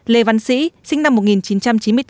lê văn sĩ sinh năm một nghìn chín trăm chín mươi tám